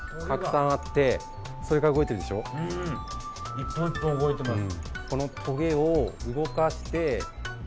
一本一本動いてます。